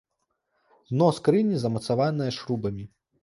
Дно скрыні замацаванае шрубамі.